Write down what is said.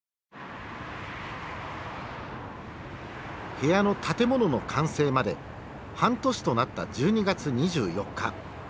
部屋の建物の完成まで半年となった１２月２４日。